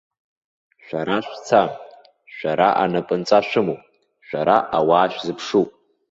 Шәара шәца, шәара анапынҵа шәымоуп, шәара ауаа шәзыԥшуп.